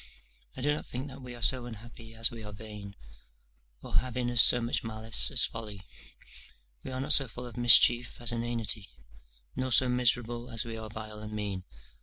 I do not think that we are so unhappy as we are vain, or have in us so much malice as folly; we are not so full of mischief as inanity; nor so miserable as we are vile and mean.